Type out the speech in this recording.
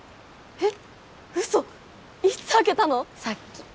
えっ？